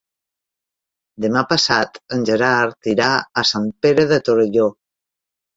Demà passat en Gerard irà a Sant Pere de Torelló.